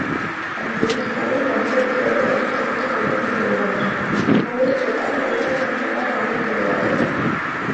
அங்கிருந்து கோயில் எங்கிருக்கிறது என்று தெரிந்து கொள்வதும் எளிதன்று கோயிலுக்குத்தான் கோபுரம் என்றெல்லாம் ஒன்றும் கிடையாதே.